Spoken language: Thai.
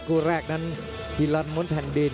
กู้แรกนั้นที่รันมนต์แผ่นดิน